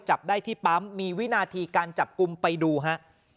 จับได้ที่ปั๊มมีวินาทีการจับกลุ่มไปดูฮะ